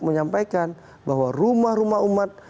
menyampaikan bahwa rumah rumah umat